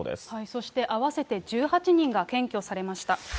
そして合わせて１８人が検挙されました。